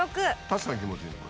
確かに気持ちいい。